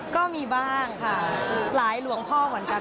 ก็มีบ้างค่ะหลายหลวงพ่อเหมือนกัน